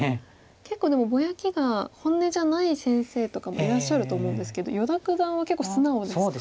結構でもぼやきが本音じゃない先生とかもいらっしゃると思うんですけど依田九段は結構素直ですか？